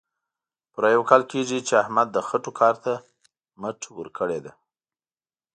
پوره یو کال کېږي، چې احمد د خټو کار ته مټ ورکړې ده.